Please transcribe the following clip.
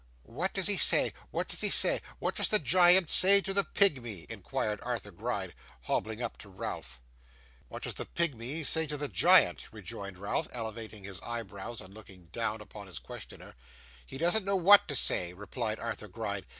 'What does he say, what does he say? What does the giant say to the pigmy?' inquired Arthur Gride, hobbling up to Ralph. 'What does the pigmy say to the giant?' rejoined Ralph, elevating his eyebrows and looking down upon his questioner. 'He doesn't know what to say,' replied Arthur Gride.